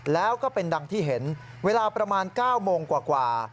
แล้วก็เป็นดังที่เห็นเวลาประมาณ๙โมงกว่า